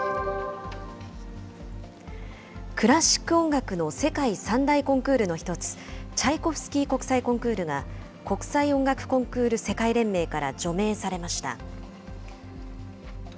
クラシック音楽の世界三大コンクールの一つ、チャイコフスキー国際コンクールが、国際音楽コンクール世界連盟から除名されました。